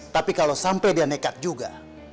tapi kalau sampai dia nekat juga